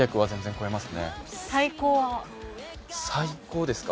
最高ですか。